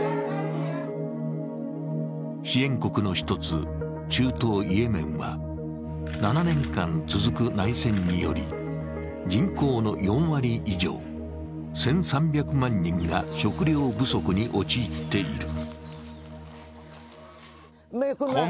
支援国の１つ、中東イエメンは７年間続く内戦により、人口の４割以上、１３００万人が食料不足に陥っている。